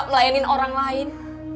melayani orang lain